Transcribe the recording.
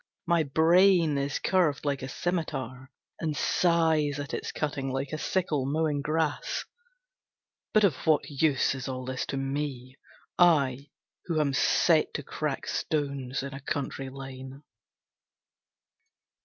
My brain is curved like a scimitar, And sighs at its cutting Like a sickle mowing grass. But of what use is all this to me! I, who am set to crack stones In a country lane!